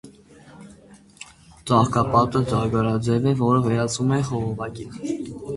Ծաղկապատը ձագարաձև է, որը վերածվում է խողովակի։